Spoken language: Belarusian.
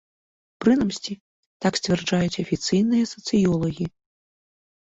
Прынамсі, так сцвярджаюць афіцыйныя сацыёлагі.